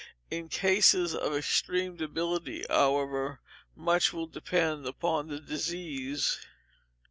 In cases of extreme debility, however, much will depend upon the disease.